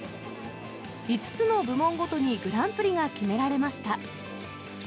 ５つの部門ごとにグランプリが決められました。